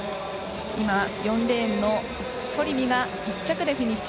４レーンのトリミが１着でフィニッシュ。